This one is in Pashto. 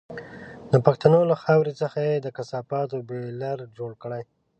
د پښتنو له خاورې څخه یې د کثافاتو بيولر جوړ کړی.